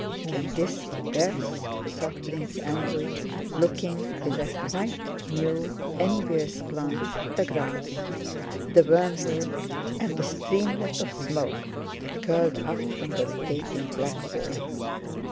"Can this be death?" thought Prince Andrew, looking with a quite new, envious glance at the grass, the wormwood, and the streamlet of smoke that curled up from the rotating black ball.